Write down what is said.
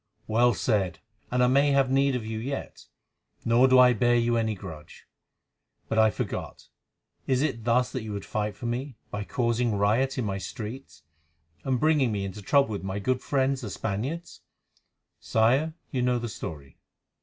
"Well said, and I may have need of you yet, nor do I bear you any grudge. But, I forgot, is it thus that you would fight for me, by causing riot in my streets, and bringing me into trouble with my good friends the Spaniards?" "Sire, you know the story."